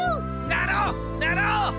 なろうなろう！